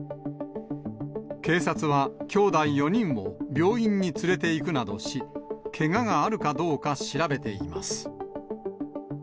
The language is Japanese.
警察はきょうだい４人を病院に連れて行くなどし、けががあるかどうか調べています。